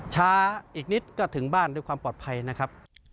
ช้าอีกนิดก็ถึงบ้านด้วยความปลอดภัยนะครับ